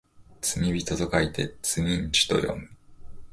罪人と書いてつみんちゅと読む